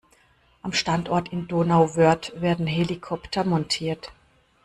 Am Standort in Donauwörth werden Helikopter montiert.